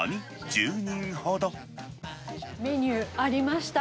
メニューありました。